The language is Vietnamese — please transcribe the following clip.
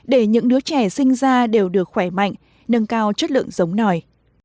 để những đứa trẻ sinh ra đều được khỏe mạnh nâng cao chất lượng giống nòi